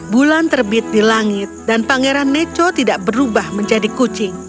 bulan terbit di langit dan pangeran neco tidak berubah menjadi kucing